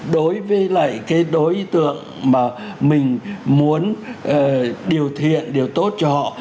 đối với lại cái đối tượng mà mình muốn điều thiện điều tốt cho họ